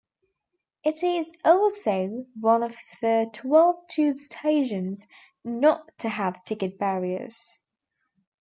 It is also one of the twelve tube stations not to have ticket barriers.